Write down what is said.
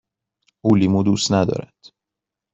او لیمو دوست ندارد.